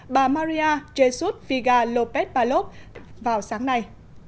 bà maria jesús figa lópez palop vào sáng nay